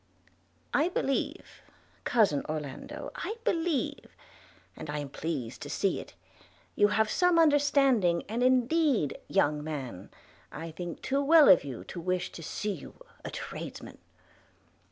'I believe, cousin Orlando, I believe – and I am pleased to see it – you have some understanding; and indeed, young man, I think too well of you to wish to see you a tradesman.'